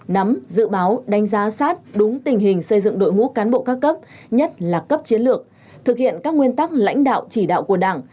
nắm dự báo đánh giá sát đúng tình hình xây dựng đội ngũ cán bộ các cấp nhất là cấp chiến lược thực hiện các nguyên tắc lãnh đạo chỉ đạo của đảng